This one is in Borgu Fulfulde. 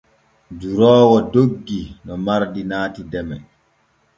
Duroowo doggi no mardi naati deme.